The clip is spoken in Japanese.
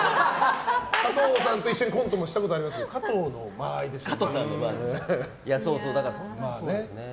加藤さんと一緒にコントをしたこともありますけど加藤の間合いでしたね。